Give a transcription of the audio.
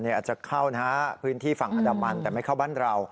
อาจจะเข้านะฮะพื้นที่ฝั่งอันดามันแต่ไม่เข้าบ้านเรา